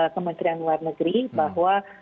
kementerian luar negeri bahwa